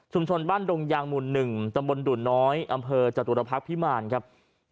บ้านดงยางหมู่๑ตำบลดุ่นน้อยอำเภอจตุรพักษ์พิมารครับ